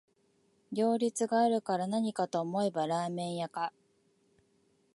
行列があるからなにかと思えばラーメン屋か